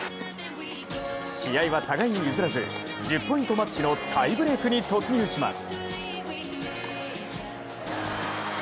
試合は互いに譲らず、１０ポイントマッチのタイブレークに突入します。